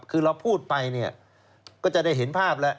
คือเราพูดไปเนี่ยก็จะได้เห็นภาพแล้ว